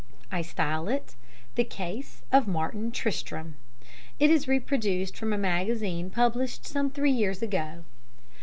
I style it "The Case of Martin Tristram." It is reproduced from a magazine published some three years ago.